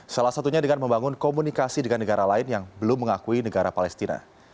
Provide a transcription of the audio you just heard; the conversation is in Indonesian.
salah satunya dengan membangun komunikasi dengan negara lain yang belum mengakui negara palestina